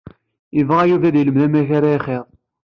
Yebɣa Yuba ad yelmed amek ara ixiḍ.